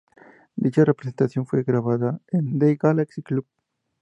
Dicha presentación fue grabada en The Galaxy Club.